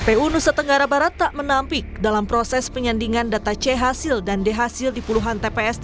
kpu nusa tenggara barat tak menampik dalam proses penyandingan data c hasil dan d hasil di puluhan tps